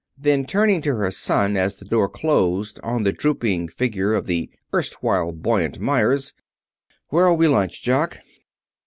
Then, turning to her son as the door closed on the drooping figure of the erstwhile buoyant Meyers, "Where'll we lunch, Jock?"